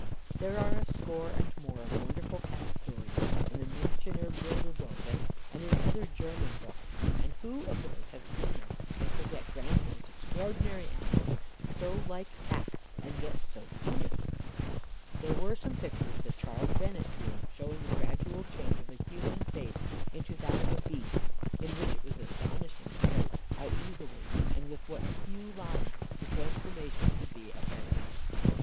There are a score and more of wonderful Cat stories in the Münchener Bilderbögen, and in other German books; and who of those who have seen them can forget Grandville's extraordinary animals, so like Cats, and yet so human. There were some pictures that Charles Bennett drew, showing the gradual change of a human face into that of a beast, in which it was astonishing to note how easy and with what a few lines the transformation could be effected.